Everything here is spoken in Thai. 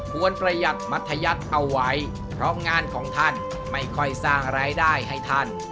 ประหยัดมัธยัติเอาไว้เพราะงานของท่านไม่ค่อยสร้างรายได้ให้ท่าน